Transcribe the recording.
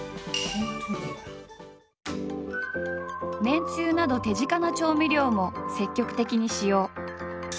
めんつゆなど手近な調味料も積極的に使用。